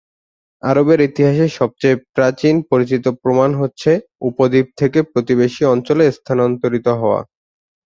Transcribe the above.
আরবের ইতিহাসের সবচেয়ে প্রাচীন পরিচিত প্রমাণ হচ্ছে উপদ্বীপ থেকে প্রতিবেশী অঞ্চলে স্থানান্তরিত হওয়া।